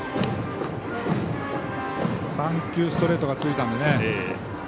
３球ストレートが続いたのでね。